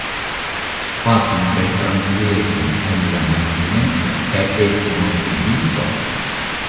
Pacon kaj trankvilecon en la maljuneco kaj esti mortiginto?